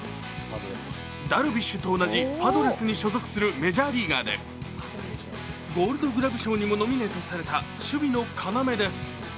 ダルビッシュと同じパドレスに所属するメジャーリーグでゴールドグラブ賞にもノミネートされた守備の要です。